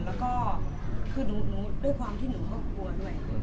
แล้วก็คือหนูด้วยความที่หนูก็กลัวด้วย